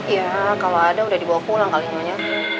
iya kalau ada udah dibawa pulang kali nyonya